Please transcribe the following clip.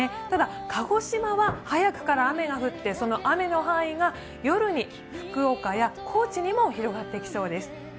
ただ、鹿児島は早くから雨が降ってその雨の範囲が夜に福岡や高知にも広がってきそうです。